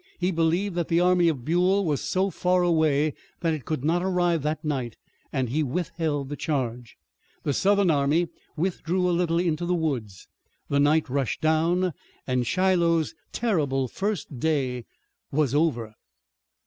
He believed that the army of Buell was so far away that it could not arrive that night and he withheld the charge. The Southern army withdrew a little into the woods, the night rushed down, and Shiloh's terrible first day was over.